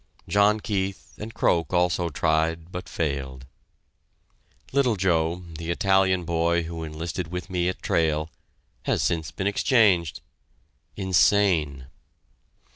John Keith and Croak also tried, but failed. Little Joe, the Italian boy who enlisted with me at Trail, has been since exchanged insane!